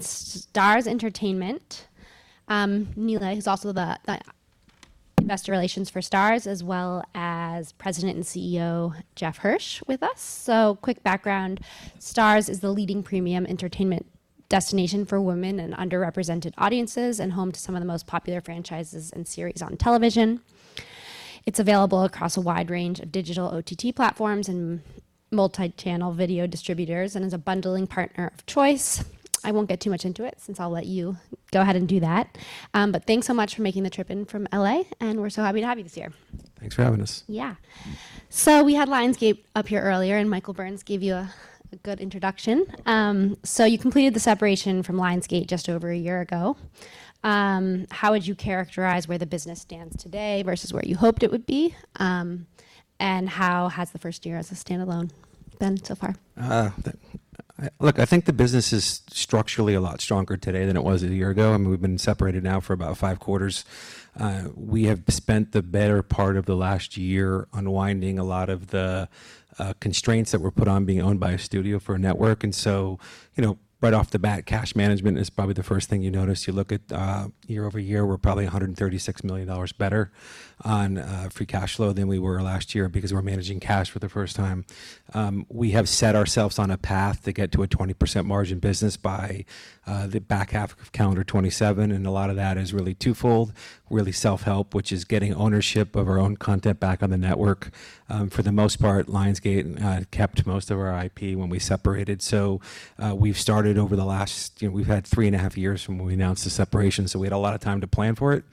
Starz Entertainment. Nilay is also the Investor Relations for Starz, as well as President and Chief Executive Officer Jeffrey Hirsch with us. Quick background. Starz is the leading premium entertainment destination for women and underrepresented audiences, and home to some of the most popular franchises and series on television. It's available across a wide range of digital OTT platforms and multi-channel video distributors and is a bundling partner of choice. I won't get too much into it, since I'll let you go ahead and do that. Thanks so much for making the trip in from L.A., and we're so happy to have you this year. Thanks for having us. Yeah. We had Lionsgate up here earlier, and Michael Burns gave you a good introduction. You completed the separation from Lionsgate just over a year ago. How would you characterize where the business stands today versus where you hoped it would be? How has the first year as a standalone been so far? Look, I think the business is structurally a lot stronger today than it was a year ago, and we've been separated now for about five quarters. We have spent the better part of the last year unwinding a lot of the constraints that were put on being owned by a studio for a network. Right off the bat, cash management is probably the first thing you notice. You look at year-over-year, we're probably $136 million better on free cash flow than we were last year because we're managing cash for the first time. We have set ourselves on a path to get to a 20% margin business by the back half of calendar 2027, and a lot of that is really twofold, really self-help, which is getting ownership of our own content back on the network. For the most part, Lionsgate kept most of our IP when we separated. We've had three and a half years from when we announced the separation, so we had a lot of time to plan for it.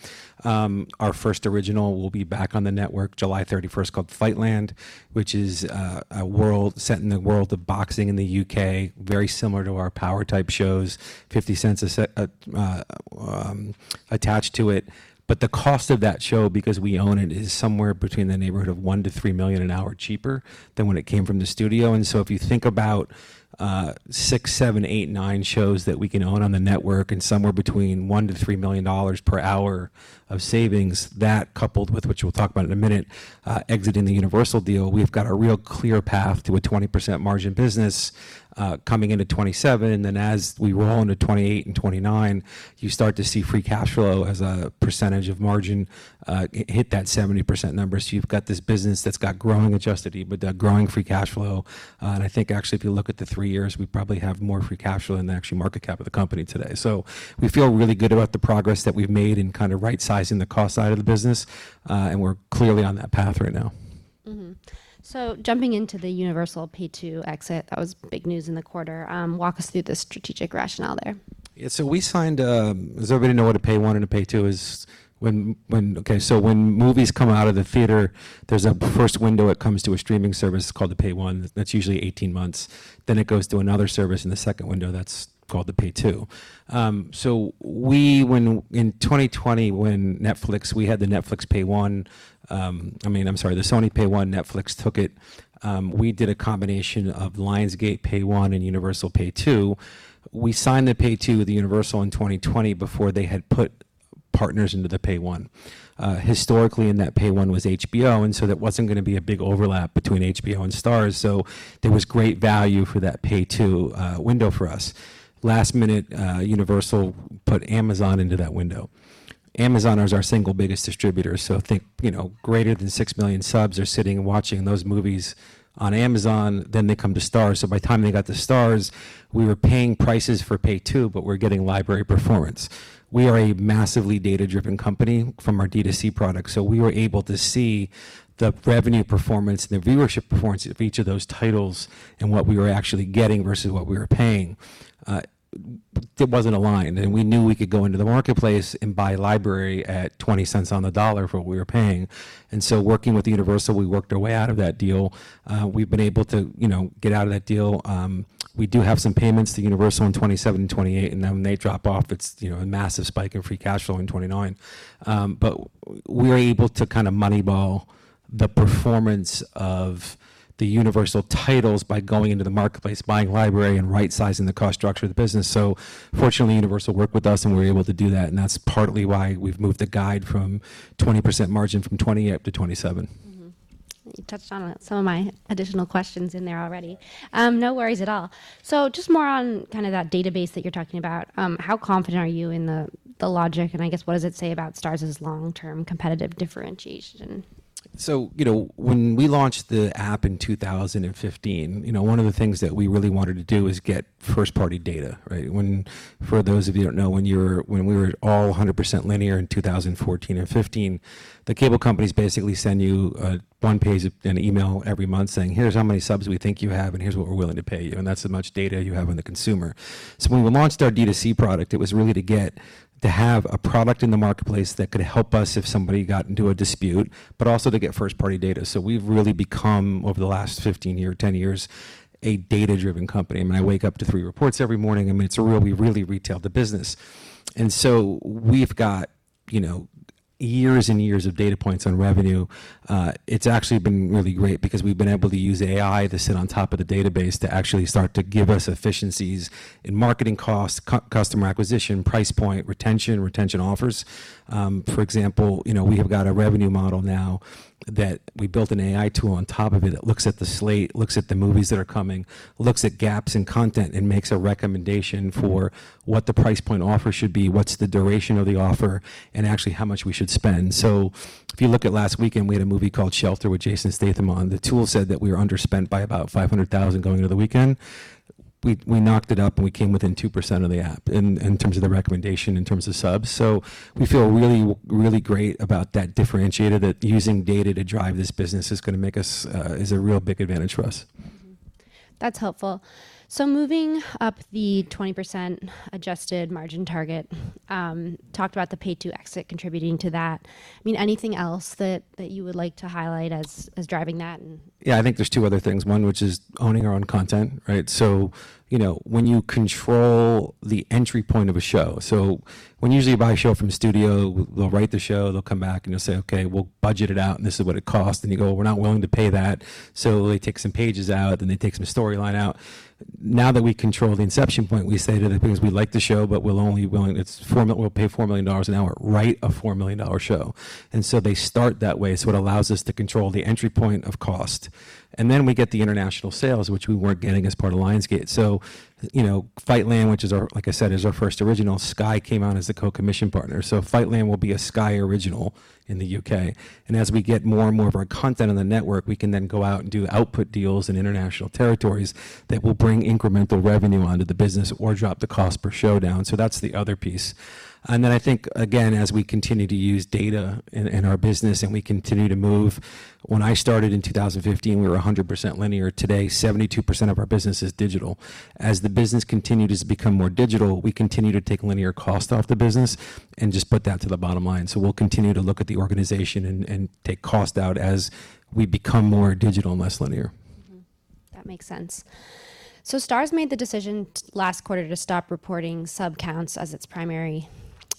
Our first original will be back on the network July 31st called "Fightland," which is set in the world of boxing in the U.K., very similar to our Power type shows. 50 Cent's Attached to it. The cost of that show, because we own it, is somewhere between the neighborhood of $1 million-$3 million an hour cheaper than when it came from the studio. If you think about six, seven, eight, nine shows that we can own on the network and somewhere between $1 million-$3 million per hour of savings, that coupled with, which we'll talk about in a minute, exiting the Universal deal, we've got a real clear path to a 20% margin business coming into 2027. As we roll into 2028 and 2029, you start to see free cash flow as a percentage of margin hit that 70% number. You've got this business that's got growing adjusted EBITDA, growing free cash flow. I think actually, if you look at the three years, we probably have more free cash flow than the actual market cap of the company today. We feel really good about the progress that we've made in kind of right-sizing the cost side of the business. We're clearly on that path right now. Jumping into the Universal Pay 2 exit, that was big news in the quarter. Walk us through the strategic rationale there. Yeah. Does everybody know what a Pay 1 and a Pay 2 is? When movies come out of the theater, there's a first window it comes to a streaming service called the Pay 1. That's usually 18 months. It goes to another service in the second window. That's called the Pay 2. In 2020, when we had the Sony Pay 1, Netflix took it. We did a combination of Lionsgate Pay 1 and Universal Pay 2. We signed the Pay 2 with the Universal in 2020 before they had put partners into the Pay 1. Historically, in that Pay 1 was HBO, there wasn't going to be a big overlap between HBO and Starz. There was great value for that Pay 2 window for us. Last minute, Universal put Amazon into that window. Amazon is our single biggest distributor. Think greater than 6 million subs are sitting and watching those movies on Amazon. They come to Starz. By the time they got to Starz, we were paying prices for Pay 2, but we're getting library performance. We are a massively data-driven company from our D2C product. We were able to see the revenue performance and the viewership performance of each of those titles and what we were actually getting versus what we were paying. It wasn't aligned. We knew we could go into the marketplace and buy library at $0.20 on the dollar for what we were paying. Working with Universal, we worked our way out of that deal. We've been able to get out of that deal. We do have some payments to Universal in 2027 and 2028, and then when they drop off it's a massive spike in free cash flow in 2029. We're able to kind of money ball the performance of the Universal titles by going into the marketplace, buying library, and right-sizing the cost structure of the business. Fortunately, Universal worked with us, and we were able to do that, and that's partly why we've moved the guide from 20% margin from 2028 to 2027. You touched on some of my additional questions in there already. No worries at all. Just more on kind of that database that you're talking about. How confident are you in the logic, and I guess what does it say about Starz's long-term competitive differentiation? When we launched the app in 2015, one of the things that we really wanted to do is get first-party data, right? For those of you who don't know, when we were all 100% linear in 2014 or 2015, the cable companies basically send you a one-page email every month saying, "Here's how many subs we think you have, and here's what we're willing to pay you." That's how much data you have on the consumer. When we launched our D2C product, it was really to have a product in the marketplace that could help us if somebody got into a dispute, but also to get first-party data. We've really become, over the last 15 years or 10 years, a data-driven company. I wake up to three reports every morning. I mean, it's where we really retail the business. We've got years and years of data points on revenue. It's actually been really great because we've been able to use AI to sit on top of the database to actually start to give us efficiencies in marketing costs, customer acquisition, price point, retention offers. For example, we have got a revenue model now that we built an AI tool on top of it that looks at the slate, looks at the movies that are coming, looks at gaps in content, and makes a recommendation for what the price point offer should be, what's the duration of the offer, and actually how much we should spend. If you look at last weekend, we had a movie called "Safe" with Jason Statham on. The tool said that we were underspent by about $500,000 going into the weekend. We knocked it up and we came within 2% of the app in terms of the recommendation, in terms of subs. We feel really great about that differentiator, that using data to drive this business is a real big advantage for us. That's helpful. Moving up the 20% adjusted margin target. Talked about the Pay 2 contributing to that. Anything else that you would like to highlight as driving that? Yeah, I think there's two other things. One, which is owning our own content, right? When you control the entry point of a show, so when usually you buy a show from a studio, they'll write the show, they'll come back and they'll say, "Okay, we'll budget it out and this is what it costs." You go, "We're not willing to pay that." They take some pages out and they take some storyline out. Now that we control the inception point, we say to them things like, "We like the show, we'll pay $4 million, now write a $4 million show." They start that way. It allows us to control the entry point of cost. We get the international sales, which we weren't getting as part of Lionsgate. Fightland," like I said, is our first original, Sky came out as the co-commission partner. "Fightland" will be a Sky original in the U.K. As we get more and more of our content on the network, we can then go out and do output deals in international territories that will bring incremental revenue onto the business or drop the cost per show down. That's the other piece. I think, again, as we continue to use data in our business and we continue to move, when I started in 2015, we were 100% linear. Today, 72% of our business is digital. As the business continues to become more digital, we continue to take linear cost off the business and just put that to the bottom line. We'll continue to look at the organization and take cost out as we become more digital and less linear. That makes sense. Starz made the decision last quarter to stop reporting sub counts as its primary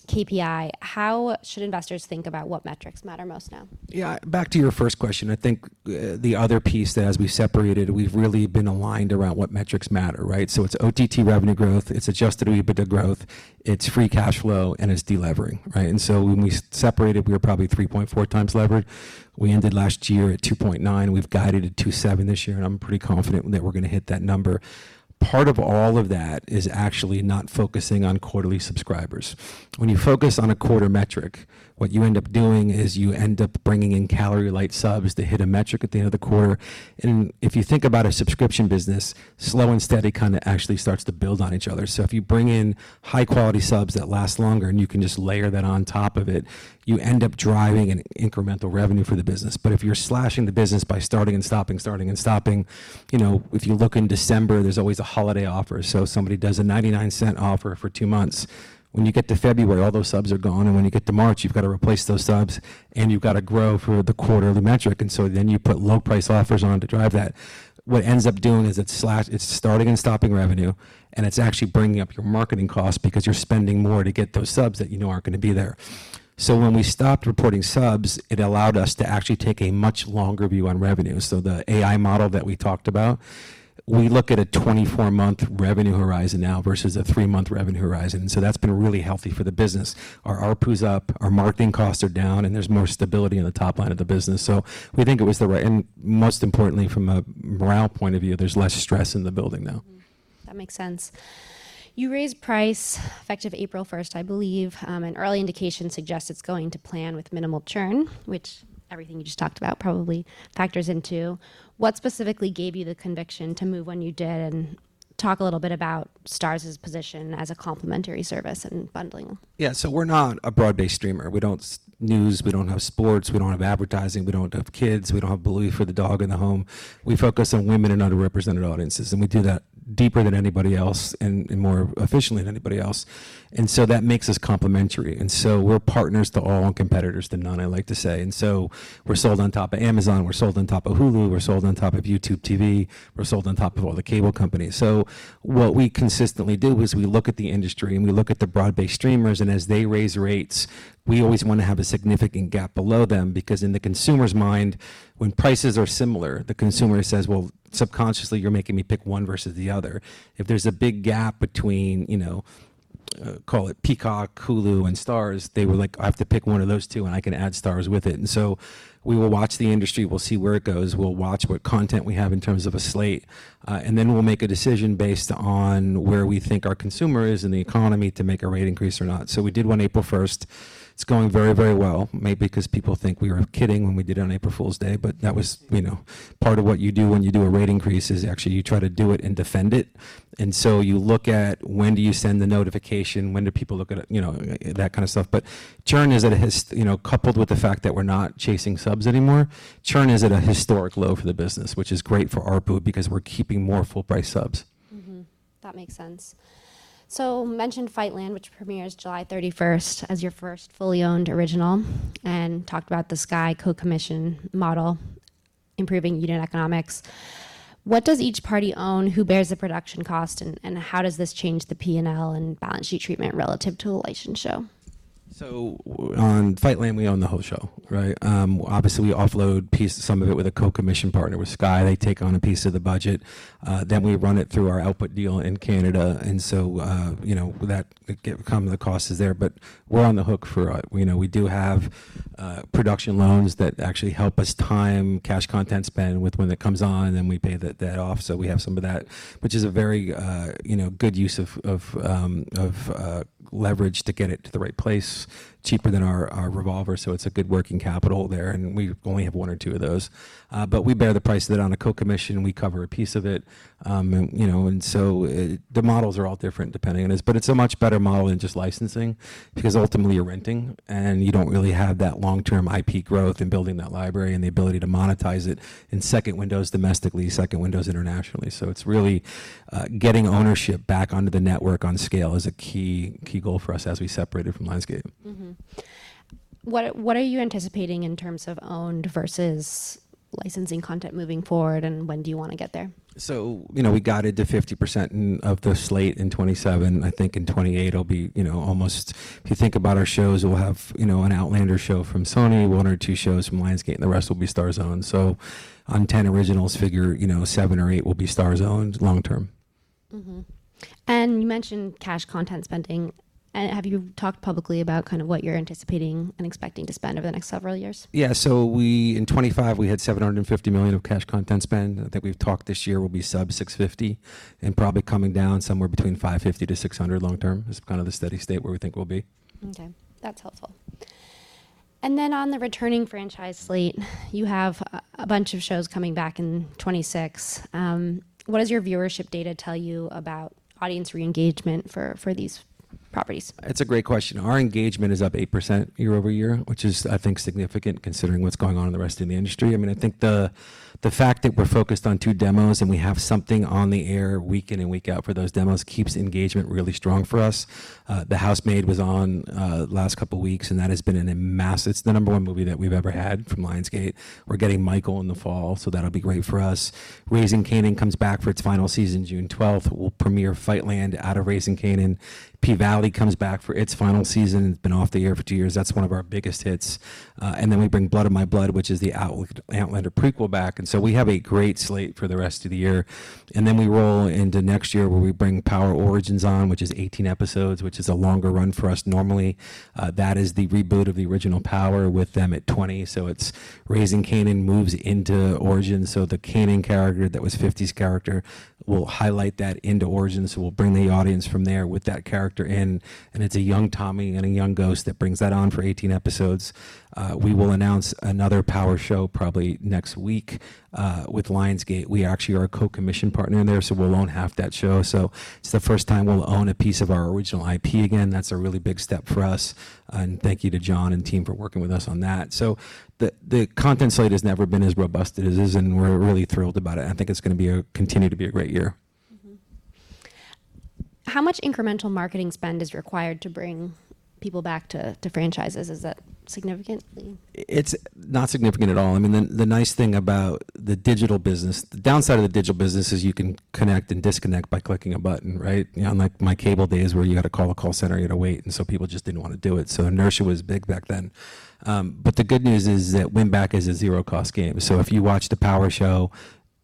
KPI. How should investors think about what metrics matter most now? Yeah. Back to your first question, I think the other piece that as we separated, we've really been aligned around what metrics matter, right? It's OTT revenue growth, it's adjusted EBITDA growth, it's free cash flow, and it's delevering, right? When we separated, we were probably 3.4 times levered. We ended last year at 2.9. We've guided at 2.7 this year, and I'm pretty confident that we're going to hit that number. Part of all of that is actually not focusing on quarterly subscribers. When you focus on a quarter metric, what you end up doing is you end up bringing in calorie-light subs to hit a metric at the end of the quarter. If you think about a subscription business, slow and steady kind of actually starts to build on each other. If you bring in high-quality subs that last longer and you can just layer that on top of it, you end up driving an incremental revenue for the business. If you're slashing the business by starting and stopping, starting and stopping, if you look in December, there is always a holiday offer. Somebody does a $0.99 offer for two months. When you get to February, all those subs are gone, and when you get to March, you have got to replace those subs, and you have got to grow for the quarter or the metric. You put low price offers on to drive that. What it ends up doing is it is starting and stopping revenue, and it is actually bringing up your marketing costs because you are spending more to get those subs that you know are not going to be there. When we stopped reporting subs, it allowed us to actually take a much longer view on revenue. The AI model that we talked about, we look at a 24-month revenue horizon now versus a three-month revenue horizon. That's been really healthy for the business. Our ARPU's up, our marketing costs are down, and there's more stability in the top line of the business. We think it was the right. Most importantly, from a morale point of view, there's less stress in the building now. That makes sense. You raised price effective April 1st, I believe. An early indication suggests it's going to plan with minimal churn, which everything you just talked about probably factors into. What specifically gave you the conviction to move when you did? Talk a little bit about Starz's position as a complimentary service and bundling. Yeah. We're not a broad-based streamer. We don't news, we don't have sports, we don't have advertising, we don't have kids, we don't have Bluey for the dog in the home. We focus on women and underrepresented audiences, and we do that deeper than anybody else and more efficiently than anybody else. That makes us complimentary. We're partners to all and competitors to none, I like to say. We're sold on top of Amazon, we're sold on top of Hulu, we're sold on top of YouTube TV, we're sold on top of all the cable companies. What we consistently do is we look at the industry and we look at the broad-based streamers, and as they raise rates, we always want to have a significant gap below them, because in the consumer's mind, when prices are similar, the consumer says, "Well, subconsciously, you're making me pick one versus the other." If there's a big gap between, call it Peacock, Hulu, and Starz, they were like, "I have to pick one of those two, and I can add Starz with it." We will watch the industry. We'll see where it goes. We'll watch what content we have in terms of a slate. We'll make a decision based on where we think our consumer is in the economy to make a rate increase or not. We did one April 1st. It's going very very well. Maybe because people think we were kidding when we did it on April Fool's Day, that was part of what you do when you do a rate increase, is actually you try to do it and defend it. You look at when do you send the notification, when do people look at it, that kind of stuff. Coupled with the fact that we're not chasing subs anymore, churn is at a historic low for the business, which is great for ARPU because we're keeping more full price subs. That makes sense. Mentioned "Fightland," which premieres July 31st as your first fully owned original, and talked about the Sky co-commission model, improving unit economics. What does each party own? Who bears the production cost? How does this change the P&L and balance sheet treatment relative to a licensed show? On "Fightland," we own the whole show, right? Obviously, we offload some of it with a co-commission partner with Sky. They take on a piece of the budget. We run it through our output deal in Canada. That cost is there, but we're on the hook for it. We do have production loans that actually help us time cash content spend with when it comes on, and then we pay that off. We have some of that, which is a very good use of leverage to get it to the right place cheaper than our revolver. It's a good working capital there, and we only have one or two of those. We bear the price of that on a co-commission. We cover a piece of it. The models are all different depending on this, but it's a much better model than just licensing because ultimately you're renting and you don't really have that long-term IP growth and building that library and the ability to monetize it in second windows domestically, second windows internationally. It's really getting ownership back onto the network on scale is a key goal for us as we separated from Lionsgate. What are you anticipating in terms of owned versus licensing content moving forward, and when do you want to get there? We got it to 50% of the slate in 2027. I think in 2028 it'll be almost, if you think about our shows, we'll have an "Outlander" show from Sony, one or two shows from Lionsgate, and the rest will be Starz own. On 10 originals figure, seven or eight will be Starz owned long term. You mentioned cash content spending. Have you talked publicly about what you're anticipating and expecting to spend over the next several years? Yeah. In 2025, we had $750 million of cash content spend. I think we've talked this year we'll be sub $650 million, and probably coming down somewhere between $550 million-$600 million long term is kind of the steady state where we think we'll be. Okay. That's helpful. On the returning franchise slate, you have a bunch of shows coming back in 2026. What does your viewership data tell you about audience re-engagement for these properties? It's a great question. Our engagement is up 8% year-over-year, which is, I think, significant considering what's going on in the rest of the industry. I think the fact that we're focused on two demos and we have something on the air week in and week out for those demos keeps engagement really strong for us. "The Housemaid" was on last couple of weeks, and that has been a massive. It's the number one movie that we've ever had from Lionsgate. We're getting "Michael" in the fall, so that'll be great for us. "Raising Kanan" comes back for its final season June 12th. We'll premiere "Fightland" out of "Raising Kanan." "P-Valley" comes back for its final season. It's been off the air for two years. That's one of our biggest hits. We bring "Blood of My Blood," which is the "Outlander" prequel back. We have a great slate for the rest of the year. We roll into next year where we bring "Power: Origins" on, which is 18 episodes, which is a longer run for us normally. That is the reboot of the original "Power" with them at 20. It's "Raising Kanan" moves into "Origins." The Kanan character that was 50's character will highlight that into "Origins" who will bring the audience from there with that character in. It's a young Tommy and a young Ghost that brings that on for 18 episodes. We will announce another "Power" show probably next week with Lionsgate. We actually are a co-commission partner in there, so we'll own half that show. It's the first time we'll own a piece of our original IP again. That's a really big step for us, and thank you to John and team for working with us on that. The content slate has never been as robust as it is, and we're really thrilled about it. I think it's going to continue to be a great year. How much incremental marketing spend is required to bring people back to franchises? Is it significant? It's not significant at all. The downside of the digital business is you can connect and disconnect by clicking a button, right? Unlike my cable days where you got to call a call center, you got to wait, and so people just didn't want to do it. Inertia was big back then. The good news is that win-back is a zero-cost game. If you watch the "Power" show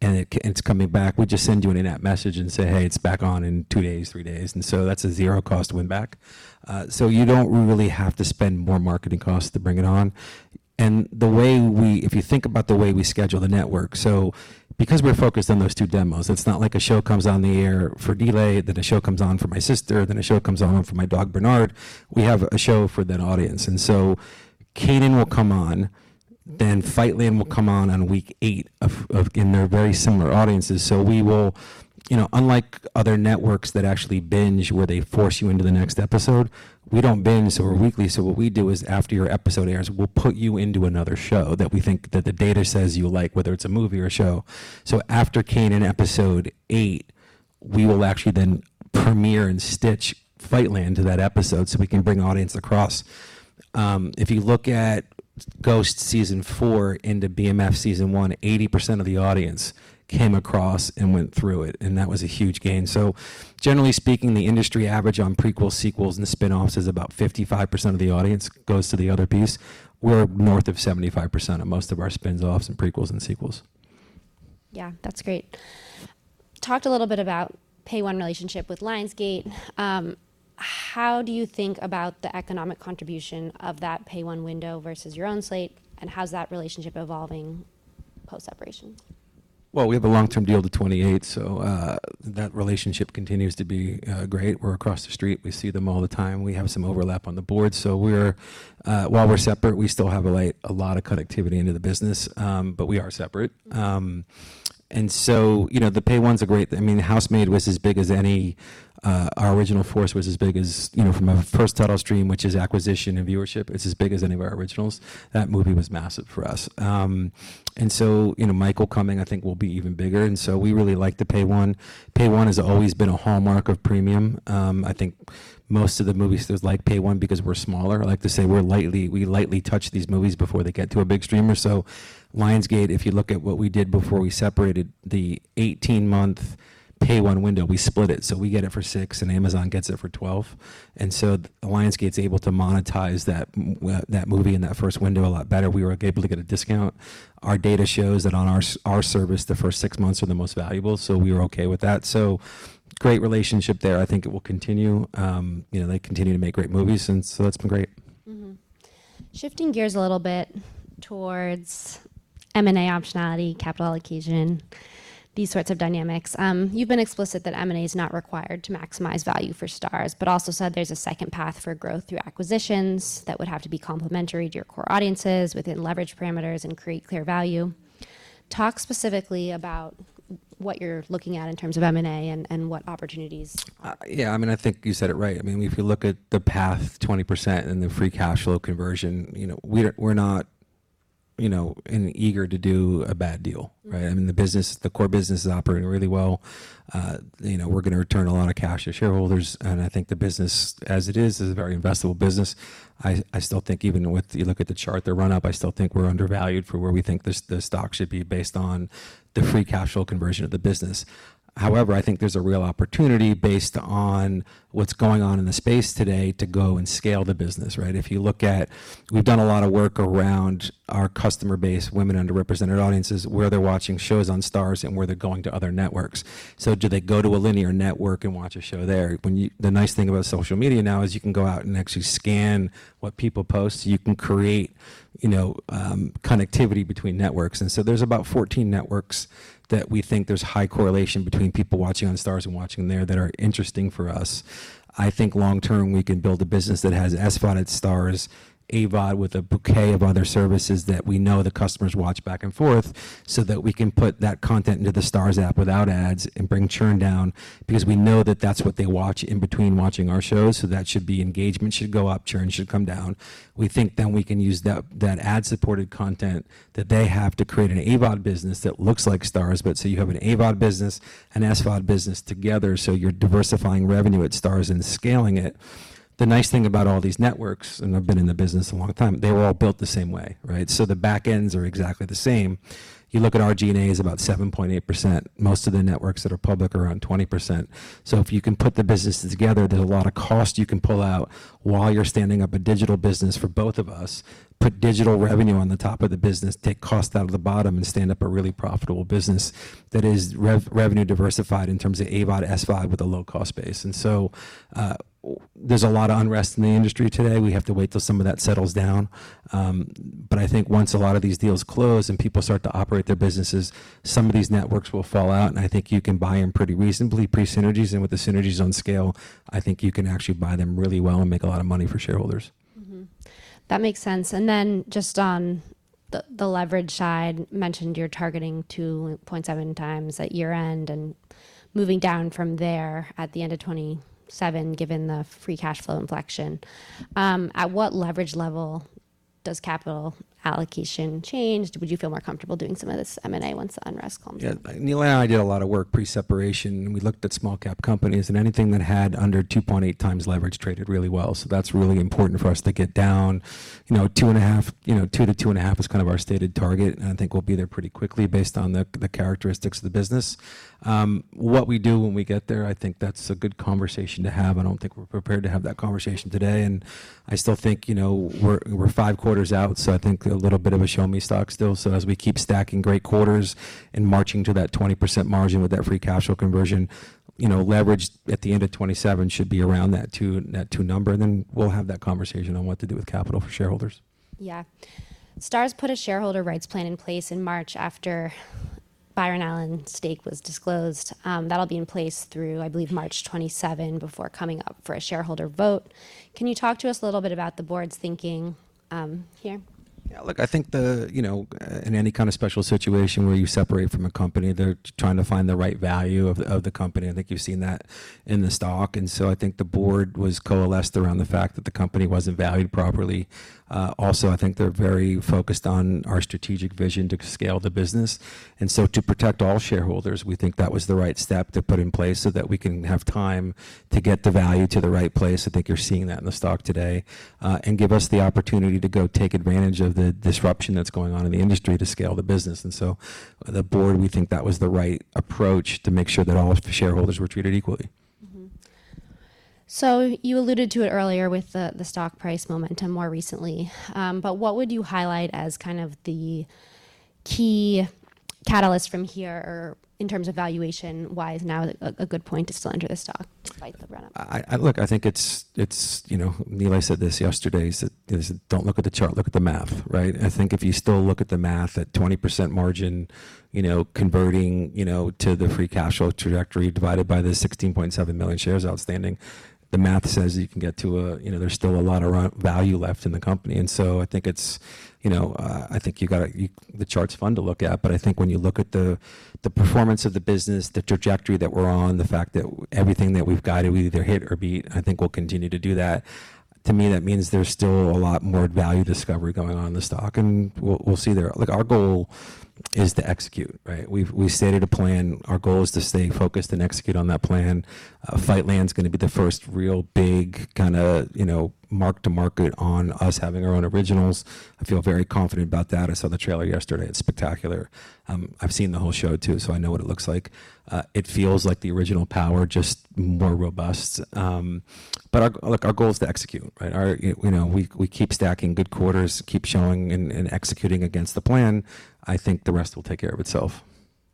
and it's coming back, we just send you an in-app message and say, "Hey, it's back on in two days, three days." That's a zero-cost win-back. You don't really have to spend more marketing costs to bring it on. If you think about the way we schedule the network, so because we're focused on those two demos, it's not like a show comes on the air for delay, then a show comes on for my sister, then a show comes on for my dog, Bernard. We have a show for that audience. "Kanan" will come on, then "Fightland" will come on on week eight. They're very similar audiences. We will, unlike other networks that actually binge where they force you into the next episode, we don't binge, so we're weekly. What we do is after your episode airs, we'll put you into another show that we think that the data says you'll like, whether it's a movie or a show. After "Kanan" Episode 8, we will actually then premiere and stitch "Fightland" to that episode so we can bring audience across. If you look at Ghost Season 4 into BMF Season 1, 80% of the audience came across and went through it, and that was a huge gain. Generally speaking, the industry average on prequels, sequels, and spinoffs is about 55% of the audience goes to the other piece. We're north of 75% of most of our spinoffs and prequels and sequels. Yeah. That's great. Talked a little bit about Pay 1 relationship with Lionsgate. How do you think about the economic contribution of that Pay 1 window versus your own slate? How's that relationship evolving post-separation? Well, we have a long-term deal to 2028, so that relationship continues to be great. We're across the street. We see them all the time. We have some overlap on the board. While we're separate, we still have a lot of connectivity into the business, but we are separate. The Pay 1's great. Housemaid was as big as any of our originals from our first title stream, which is acquisition and viewership. It's as big as any of our originals. That movie was massive for us. Michael coming, I think, will be even bigger. We really like the Pay 1. Pay 1 has always been a hallmark of premium. I think most of the movies, there's like Pay 1 because we're smaller. I like to say we lightly touch these movies before they get to a big streamer. Lionsgate, if you look at what we did before we separated the 18-month pay-one window, we split it. We get it for six and Amazon gets it for 12. Lionsgate's able to monetize that movie in that first window a lot better. We were able to get a discount. Our data shows that on our service, the first six months are the most valuable, so we were okay with that. Great relationship there. I think it will continue. They continue to make great movies and so that's been great. Shifting gears a little bit towards M&A optionality, capital allocation, these sorts of dynamics. You've been explicit that M&A is not required to maximize value for Starz, but also said there's a second path for growth through acquisitions that would have to be complementary to your core audiences within leverage parameters and create clear value. Talk specifically about what you're looking at in terms of M&A and what opportunities? Yeah. I think you said it right. If you look at the path 20% and the free cash flow conversion, we're not eager to do a bad deal, right? The core business is operating really well. We're going to return a lot of cash to shareholders, and I think the business as it is is a very investable business. You look at the chart, their run-up, I still think we're undervalued for where we think the stock should be based on the free cash flow conversion of the business. However, I think there's a real opportunity based on what's going on in the space today to go and scale the business, right? We've done a lot of work around our customer base, women underrepresented audiences, where they're watching shows on Starz and where they're going to other networks. Do they go to a linear network and watch a show there? The nice thing about social media now is you can go out and actually scan what people post. You can create connectivity between networks. There's about 14 networks that we think there's high correlation between people watching on Starz and watching there that are interesting for us. I think long term, we can build a business that has SVOD at Starz, AVOD with a bouquet of other services that we know the customers watch back and forth, so that we can put that content into the Starz app without ads and bring churn down, because we know that that's what they watch in between watching our shows. That should be engagement should go up, churn should come down. We think we can use that ad-supported content that they have to create an AVOD business that looks like Starz, but so you have an AVOD business, an SVOD business together, so you're diversifying revenue at Starz and scaling it. The nice thing about all these networks, and I've been in the business a long time, they were all built the same way, right? The back ends are exactly the same. You look at our G&A is about 7.8%. Most of the networks that are public are around 20%. If you can put the businesses together, there's a lot of cost you can pull out while you're standing up a digital business for both of us. Put digital revenue on the top of the business, take cost out of the bottom, and stand up a really profitable business that is revenue diversified in terms of AVOD, SVOD with a low-cost base. There's a lot of unrest in the industry today. We have to wait till some of that settles down. I think once a lot of these deals close and people start to operate their businesses, some of these networks will fall out, and I think you can buy them pretty reasonably pre-synergies. With the synergies on scale, I think you can actually buy them really well and make a lot of money for shareholders. That makes sense. Then just on the leverage side, mentioned you're targeting 2.7x at year-end and moving down from there at the end of 2027, given the free cash flow inflection. At what leverage level does capital allocation change? Would you feel more comfortable doing some of this M&A once the unrest calms down? Nilay and I did a lot of work pre-separation. We looked at small cap companies, and anything that had under 2.8x leverage traded really well. That's really important for us to get down. 2x-2.5x is kind of our stated target, and I think we'll be there pretty quickly based on the characteristics of the business. What we do when we get there, I think that's a good conversation to have. I don't think we're prepared to have that conversation today, and I still think we're five quarters out, so I think a little bit of a show-me stock still. As we keep stacking great quarters and marching to that 20% margin with that free cash flow conversion, leverage at the end of 2027 should be around that two number, then we'll have that conversation on what to do with capital for shareholders. Yeah. Starz put a shareholder rights plan in place in March after Byron Allen's stake was disclosed. That'll be in place through, I believe, March 27, before coming up for a shareholder vote. Can you talk to us a little bit about the board's thinking here? Yeah, look, I think in any kind of special situation where you separate from a company, they're trying to find the right value of the company. I think you've seen that in the stock. I think the board was coalesced around the fact that the company wasn't valued properly. Also, I think they're very focused on our strategic vision to scale the business. To protect all shareholders, we think that was the right step to put in place so that we can have time to get the value to the right place, I think you're seeing that in the stock today, and give us the opportunity to go take advantage of the disruption that's going on in the industry to scale the business. The board, we think that was the right approach to make sure that all of the shareholders were treated equally. You alluded to it earlier with the stock price momentum more recently. What would you highlight as kind of the key catalyst from here, or in terms of valuation, why is now a good point to still enter the stock despite the run-up? Look, I think Nilay said this yesterday, he said, "Don't look at the chart, look at the math," right? I think if you still look at the math at 20% margin, converting to the free cash flow trajectory divided by the 16.7 million shares outstanding, the math says that there's still a lot of value left in the company. I think the chart's fun to look at, but I think when you look at the performance of the business, the trajectory that we're on, the fact that everything that we've guided, we either hit or beat, I think we'll continue to do that. To me, that means there's still a lot more value discovery going on in the stock, and we'll see there. Look, our goal is to execute, right? We've stated a plan. Our goal is to stay focused and execute on that plan. Fightland's going to be the first real big kind of mark to market on us having our own originals. I feel very confident about that. I saw the trailer yesterday. It's spectacular. I've seen the whole show too, so I know what it looks like. It feels like the original Power, just more robust. Our goal is to execute, right? We keep stacking good quarters, keep showing and executing against the plan. I think the rest will take care of itself.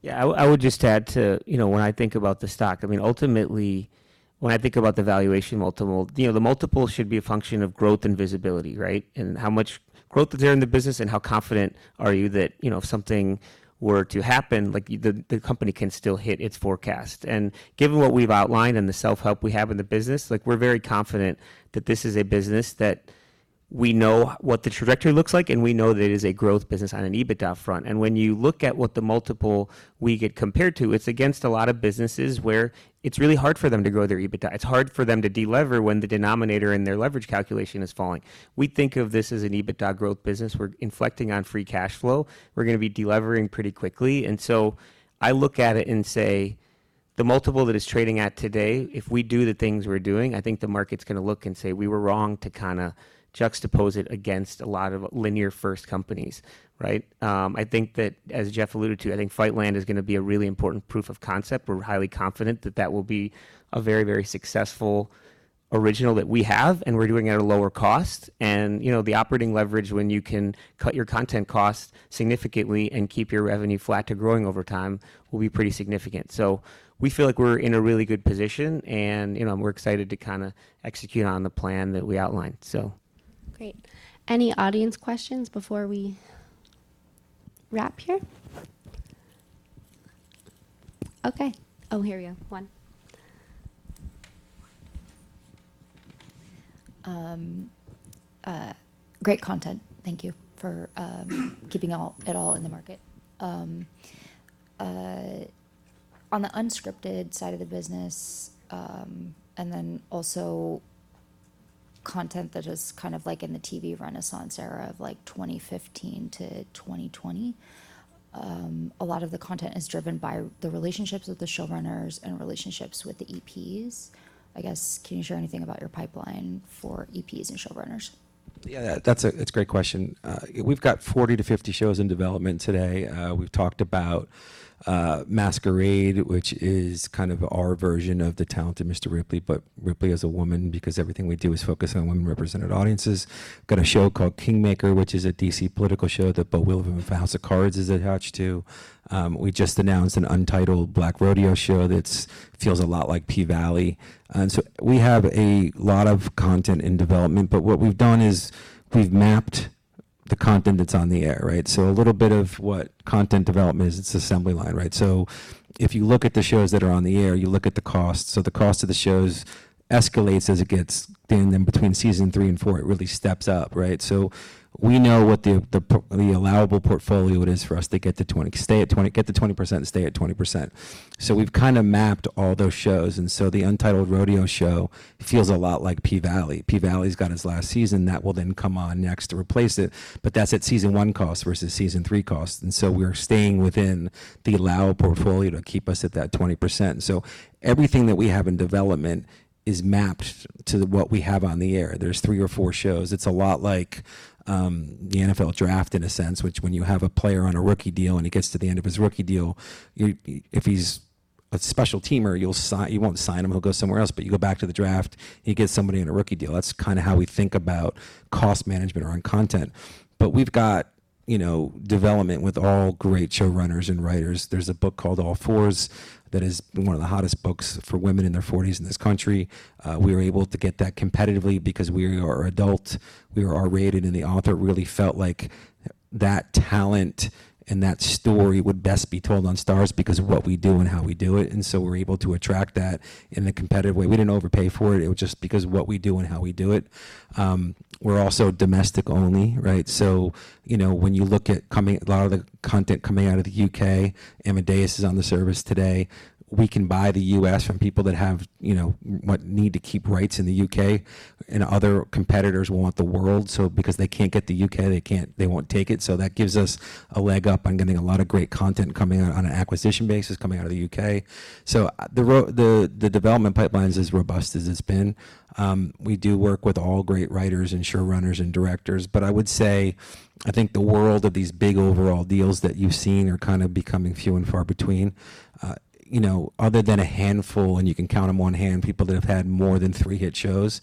Yeah. When I think about the stock, ultimately when I think about the valuation multiple, the multiple should be a function of growth and visibility, right? How much growth is there in the business, and how confident are you that if something were to happen, the company can still hit its forecast. Given what we've outlined and the self-help we have in the business, we're very confident that this is a business that we know what the trajectory looks like, and we know that it is a growth business on an EBITDA front. When you look at what the multiple we get compared to, it's against a lot of businesses where it's really hard for them to grow their EBITDA. It's hard for them to de-lever when the denominator in their leverage calculation is falling. We think of this as an EBITDA growth business. We're inflecting on free cash flow. We're going to be de-levering pretty quickly. I look at it and say the multiple that it's trading at today, if we do the things we're doing, I think the market's going to look and say we were wrong to kind of juxtapose it against a lot of linear-first companies, right? I think that, as Jeff alluded to, I think Fightland is going to be a really important proof of concept. We're highly confident that that will be a very successful original that we have, and we're doing it at a lower cost. The operating leverage when you can cut your content costs significantly and keep your revenue flat to growing over time will be pretty significant. We feel like we're in a really good position, and we're excited to kind of execute on the plan that we outlined. Great. Any audience questions before we wrap here? Okay. Oh, here we go. One. Great content. Thank you for keeping it all in the market. On the unscripted side of the business, also content that is kind of like in the TV renaissance era of 2015-2020, a lot of the content is driven by the relationships with the showrunners and relationships with the EPs. I guess, can you share anything about your pipeline for EPs and showrunners? Yeah. That's a great question. We've got 40-50 shows in development today. We've talked about Masquerade, which is kind of our version of "The Talented Mr. Ripley," but Ripley as a woman, because everything we do is focused on women-represented audiences. Got a show called "Kingmaker," which is a D.C. political show that Beau Willimon of House of Cards is attached to. We just announced an untitled Black rodeo show that feels a lot like P-Valley. We have a lot of content in development. What we've done is we've mapped the content that's on the air, right? A little bit of what content development is, it's assembly line, right? If you look at the shows that are on the air, you look at the cost. The cost of the shows escalates, and then between Season 3 and Season 4, it really steps up. We know what the allowable portfolio it is for us to get to 20% and stay at 20%. We've kind of mapped all those shows, the untitled rodeo show feels a lot like P-Valley. P-Valley's got its last season. That will then come on next to replace it. That's at Season 1 cost versus Season 3 cost, we're staying within the allowed portfolio to keep us at that 20%. Everything that we have in development is mapped to what we have on the air. There's three or four shows. It's a lot like the NFL draft in a sense, which when you have a player on a rookie deal and he gets to the end of his rookie deal, if he's a special teamer, you won't sign him. He'll go somewhere else. You go back to the draft and you get somebody on a rookie deal. That's kind of how we think about cost management around content. We've got development with all great showrunners and writers. There's a book called All Fours that is one of the hottest books for women in their 40s in this country. We were able to get that competitively because we are adult, we are R-rated, and the author really felt like that talent and that story would best be told on Starz because of what we do and how we do it. We're able to attract that in a competitive way. We didn't overpay for it. It was just because of what we do and how we do it. We're also domestic only, right? When you look at a lot of the content coming out of the U.K., Amadeus is on the service today. We can buy the U.S. from people that have what need to keep rights in the U.K., and other competitors will want the world. Because they can't get the U.K., they won't take it. That gives us a leg up on getting a lot of great content coming out on an acquisition basis coming out of the U.K. The development pipeline's as robust as it's been. We do work with all great writers and showrunners and directors. I would say, I think the world of these big overall deals that you've seen are kind of becoming few and far between. Other than a handful, and you can count them on one hand, people that have had more than three hit shows.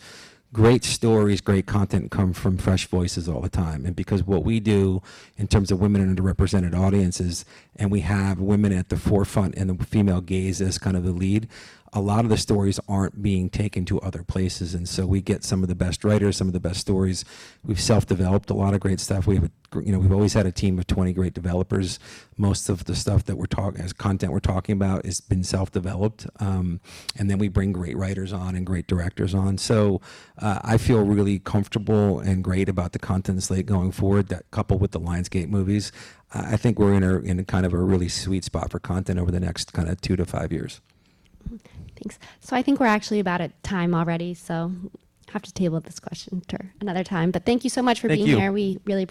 Great stories, great content come from fresh voices all the time, and because what we do in terms of women in underrepresented audiences, and we have women at the forefront and the female gaze as kind of the lead, a lot of the stories aren't being taken to other places. We get some of the best writers, some of the best stories. We've self-developed a lot of great stuff. We've always had a team of 20 great developers. Most of the stuff that as content we're talking about has been self-developed. Then we bring great writers on and great directors on. I feel really comfortable and great about the content slate going forward. That coupled with the Lionsgate movies, I think we're in a kind of a really sweet spot for content over the next kind of two to five years. Thanks. I think we're actually about at time already, so have to table this question to another time. Thank you so much for being here. Thank you. We really-